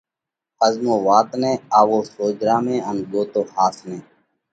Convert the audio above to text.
ۿزمو وات نئہ، آوو سوجھرا ۾ ان ڳوتو ۿاس نئہ!